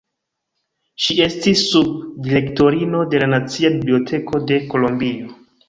Ŝi estis sub-direktorino de la Nacia Biblioteko de Kolombio.